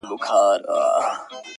درياب که لوى دئ، چمچۍ دي خپله ده.